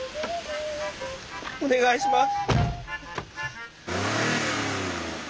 お願いします。